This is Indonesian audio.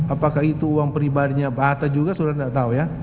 apakah itu uang pribadinya pak hatta juga saudara enggak tahu ya